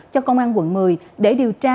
cho công an quận một mươi để điều tra